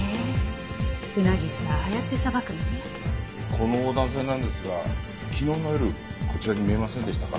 この男性なんですが昨日の夜こちらに見えませんでしたか？